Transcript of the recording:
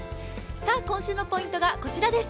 今週のポイントがこちらです。